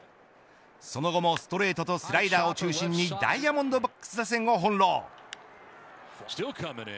その後もストレートとスライダーを中心にダイヤモンドバックス打線を翻弄。